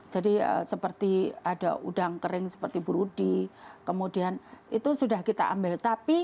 jadi seperti ada udang kering seperti bu rudi kemudian itu sudah kita ambil